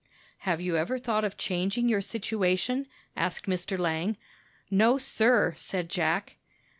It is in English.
"Have you ever thought of changing your situation?" asked Mr. Lang. "No, sir," said Jack.